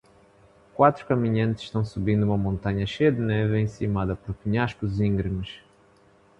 Quatro caminhantes estão subindo uma montanha cheia de neve encimada por penhascos íngremes.